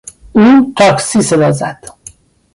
او تاکسی صدا زد.